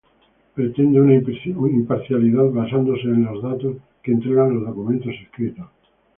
Pretende una imparcialidad basándose los datos que entregan los documentos escritos.